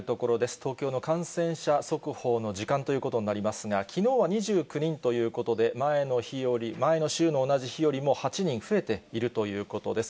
東京の感染者速報の時間ということになりますが、きのうは２９人ということで、前の週の同じ日よりも８人増えているということです。